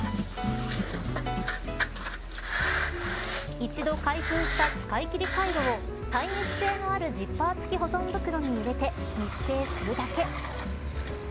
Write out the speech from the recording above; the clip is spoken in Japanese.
一度開封した使い切りカイロを耐熱性のあるジッパー付き保存袋に入れて密閉するだけ。